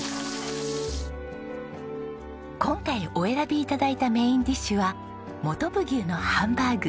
今回お選び頂いたメインディッシュはもとぶ牛のハンバーグ。